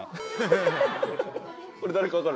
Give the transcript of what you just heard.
これ誰か分かる？